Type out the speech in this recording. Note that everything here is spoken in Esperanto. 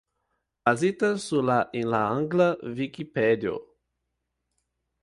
Bazita sur la en la angla Vikipedio.